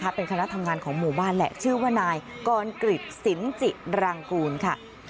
เป็นคณะทำงานของหมู่บ้านแหละชื่อว่านายกรกริจสินจิรังกูลค่ะ